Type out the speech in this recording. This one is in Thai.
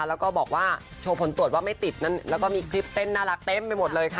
แล้วก็บอกว่าโชว์ผลตรวจว่าไม่ติดนั้นแล้วก็มีคลิปเต้นน่ารักเต็มไปหมดเลยค่ะ